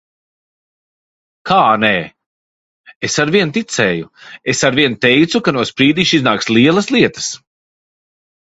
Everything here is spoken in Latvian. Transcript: Kā nē? Es arvien ticēju! Es arvien teicu, ka no Sprīdīša iznāks lielas lietas.